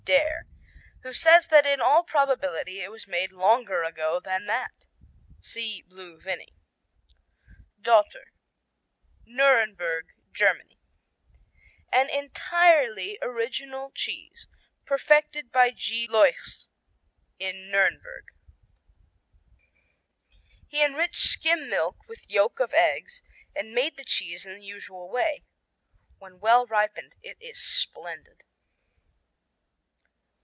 Dare, who says that in all probability it was made longer ago than that." (See Blue Vinny.) Dotter Nürnberg, Germany An entirely original cheese perfected by G. Leuchs in Nürnberg. He enriched skim milk with yolk of eggs and made the cheese in the usual way. When well ripened it is splendid.